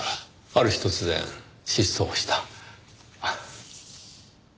ある日突然失踪した。